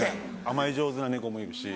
甘え上手な猫もいるし。